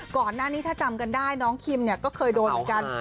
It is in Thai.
ก่อนหน้านี้ถ้าจำกันได้น้องคิมเนี่ยก็เคยโดนเหมือนกัน